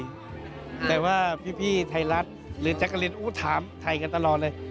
ไม่มีใครแต่ว่าพี่ไทยรัฐหรือแจ๊กเกอร์เรนอู๋ถามไทยกันตลอดเลย